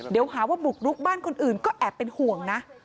เดี๋ยวหาว่าบุกรุกบ้านคนอื่นก็แอบเป็นห่วงนะ